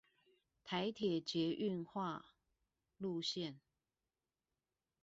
台鐵捷運化路線